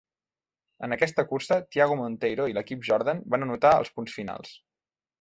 En aquesta cursa, Tiago Monteiro i l'equip Jordan van anotar els punts finals.